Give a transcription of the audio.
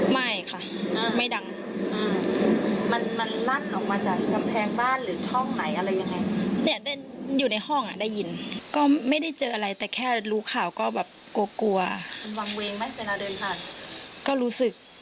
ปกติก็เคยเห็นแต่ในข่าวไม่เคยคิดว่าแบบ